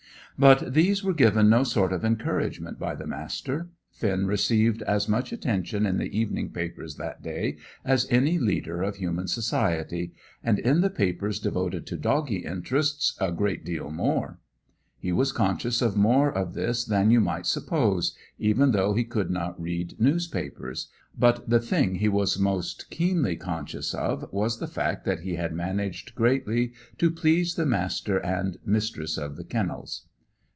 But these were given no sort of encouragement by the Master. Finn received as much attention in the evening papers that day as any leader of human society; and in the papers devoted to doggy interests, a great deal more. He was conscious of more of this than you might suppose, even though he could not read newspapers: but the thing he was most keenly conscious of was the fact that he had managed greatly to please the Master and the Mistress of the Kennels.